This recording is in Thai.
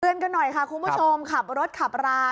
กันหน่อยค่ะคุณผู้ชมขับรถขับรา